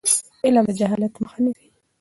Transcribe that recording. علم د جهالت مخه نیسي.